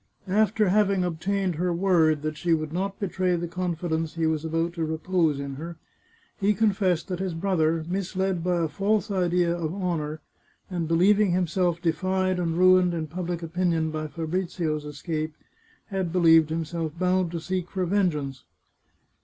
After having obtained her word that she would not betray the confidence he was about to repose in her, he confessed that his brother, misled by a false idea of honour, and believing himself defied and ruined in public opinion by Fabrizio's escape, had believed himself bound to seek for vengeance.